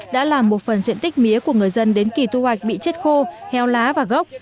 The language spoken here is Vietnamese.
đã làm một phần diện tích mía của người dân đến kỳ thu hoạch bị chết khô héo lá và gốc